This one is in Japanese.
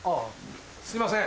すいません。